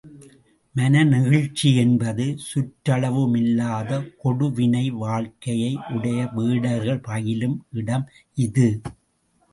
மனநெகிழ்ச்சி என்பது சற்றளவுமில்லாத கொடு வினை வாழ்க்கையை உடைய வேடர்கள் பயிலும் இடம் இது.